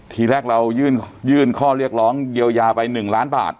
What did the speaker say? ทีแรกเรายื่นข้อเรียกร้องเยียวยาไป๑ล้านบาท